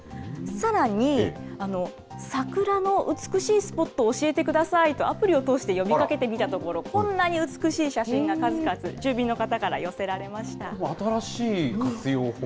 さらに、桜の美しいスポットを教えてくださいとアプリを通して呼びかけてみたところ、こんなに美しい写真が数々住民の方から寄せ新しい活用方法。